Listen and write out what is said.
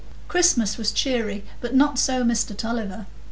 Christmas was cheery, but not so Mr Tulliver.